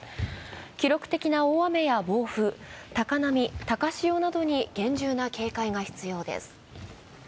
記録的な大雨や暴風、高潮高波などに厳重な警戒が必要です。